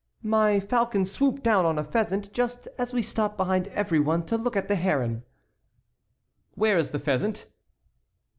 "My falcon swooped down on a pheasant just as we stopped behind every one to look at the heron." "Where is the pheasant?"